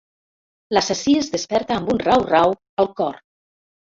L'assassí es desperta amb un rau-rau al cor.